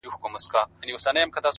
سیاه پوسي ده ـ برباد دی ـ